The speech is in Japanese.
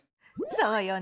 そうよね。